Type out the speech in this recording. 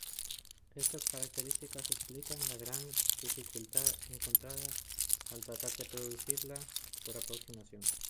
Estas características explican la gran dificultad encontrada al tratar de producirla por aproximación.